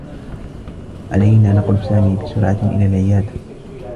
علينا نقل سامي بسرعة إلى العيادة.